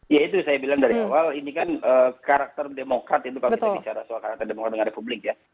ya itu saya bilang dari awal ini kan karakter demokrat itu kalau kita bicara soal karakter demokrat dengan republik ya